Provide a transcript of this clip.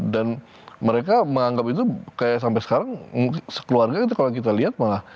dan mereka menganggap itu kayak sampai sekarang sekeluarga kalau kita lihat malah